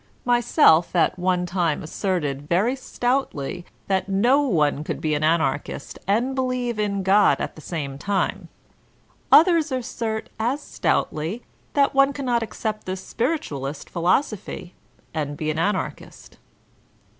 ^ Myself at one time asserted very stoutly that no one could be an Anarchist and believe in God at the same time. Others assert as stoutly that one cannot accept the spiritualist philosophy and be an Anarchist.